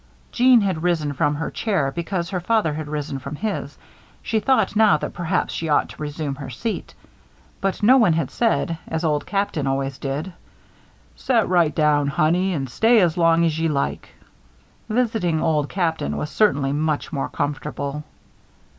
Jeanne had risen from her chair because her father had risen from his. She thought now that perhaps she ought to resume her seat; but no one had said, as Old Captain always did: "Set right down, Honey, an' stay as long as ye like." Visiting Old Captain was certainly much more comfortable.